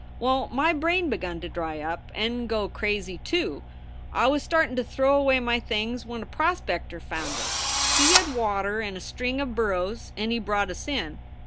Well, my brain begun to dry up and go crazy, too. I was startin to throw away my things when a prospector found us. He had water and a string of burros, and he brought us in.